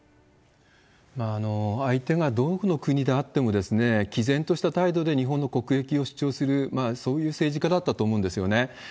相手がどの国であっても、き然とした態度で日本の国益を主張する、そういう政治家だったと思うんですよね。